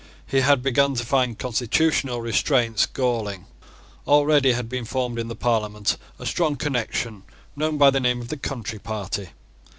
He had begun to find constitutional restraints galling. Already had been formed in the Parliament a strong connection known by the name of the Country Party.